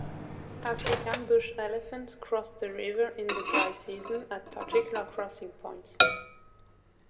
African bush elephants cross the river in the dry season at particular crossing points.